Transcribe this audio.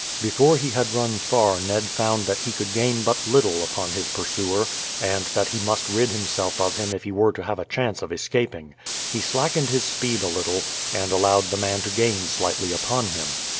Before he had run far Ned found that he could gain but little upon his pursuer, and that he must rid himself of him if he were to have a chance of escaping. He slackened his speed a little, and allowed the man to gain slightly upon him.